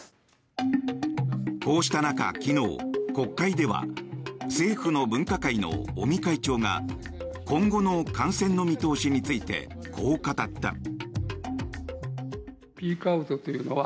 こうした中、昨日、国会では政府の分科会の尾身会長が今後の感染の見通しについてこう語った。